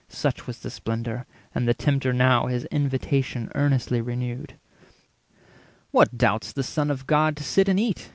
Such was the splendour; and the Tempter now His invitation earnestly renewed:— "What doubts the Son of God to sit and eat?